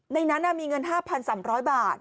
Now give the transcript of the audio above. ในนั้นมีเงิน๕๓๐๐บาท